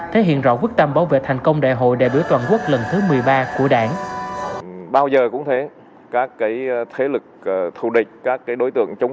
thể hiện rõ quyết tâm bảo vệ thành công đại hội đại biểu toàn quốc lần thứ một mươi ba của đảng